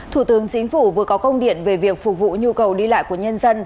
thủ tướng chính phủ vừa có công điện về việc phục vụ nhu cầu đi lại của nhân dân